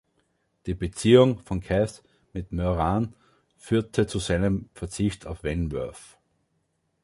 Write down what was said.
Die Beziehung von Kath mit Moran führte zu seinem Verzicht auf Wentworth.